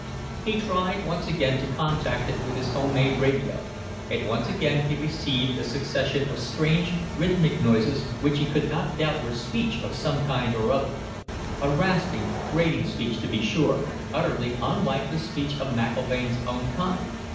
He tried once again to contact it with his home made radio, and once again he received a succession of strange, rhythmic noises which he could not doubt were speech of some kind or other a rasping, grating speech, to be sure, utterly unlike the speech of McIlvaine's own kind.